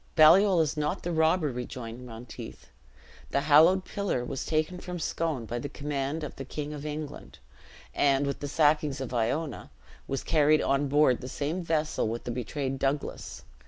"Baliol is not the robber," rejoined Monteith; "the halloed pillar was taken from Scone by the command of the King of England, and, with the sackings of Iona, was carried on board the same vessel with the betrayed Douglas.